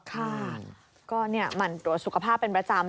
ค่ะก็หมั่นตรวจสุขภาพเป็นประจำ